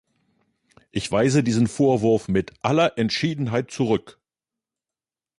Ich weise diesen Vorwurf mit aller Entschiedenheit zurück!